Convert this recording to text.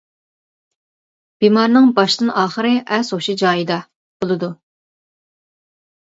بىمارنىڭ باشتىن ئاخىرى ئەس-ھوشى جايىدا، بولىدۇ.